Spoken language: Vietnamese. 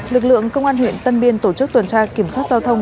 lực lượng công an huyện tân biên tổ chức tuần tra kiểm soát giao thông